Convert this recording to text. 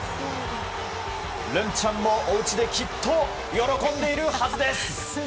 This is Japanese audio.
るんちゃんも、おうちできっと喜んでいるはずです。